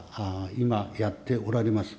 今、やっておられます。